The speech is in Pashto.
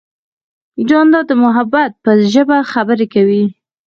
جانداد د محبت په ژبه خبرې کوي.